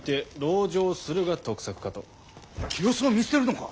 清須を見捨てるのか。